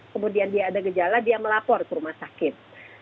kemudian dia ada gejala dia melapor ke rumah sakit